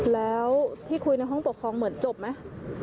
แล้วที่คุยในห้องปกครองเหมือนจบไหม